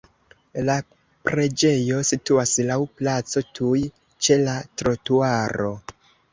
La preĝejo situas laŭ placo tuj ĉe la trotuaro.